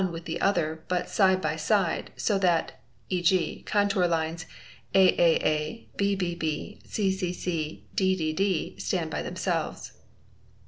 86 within the other but side by base side, so that, e.g., contour lines aaa, bbb, ccc, ddd stand by themselves.